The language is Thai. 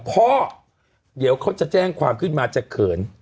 พ่อเดี๋ยวเขาจะแจ้งความขึ้นมาจะเขิน